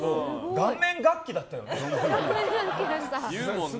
顔面楽器だったもんね。